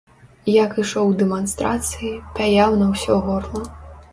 Як ішоў у дэманстрацыі, пяяў на ўсё горла.